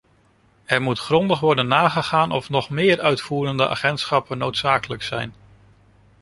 Er moet grondig worden nagegaan of nog meer uitvoerende agentschappen noodzakelijk zijn.